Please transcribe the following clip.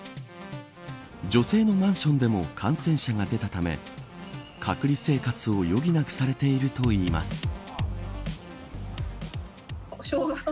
女性のマンションでも感染者が出たため隔離生活を余儀なくされているといいます。